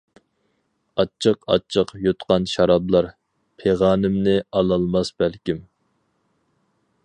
ئاچچىق-ئاچچىق يۇتقان شارابلار، پىغانىمنى ئالالماس بەلكىم.